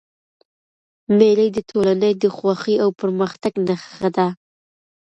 مېلې د ټولني د خوښۍ او پرمختګ نخښه ده.